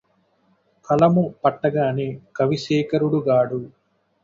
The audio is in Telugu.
కలము పట్టగానె కవిశేఖరుడు గాడు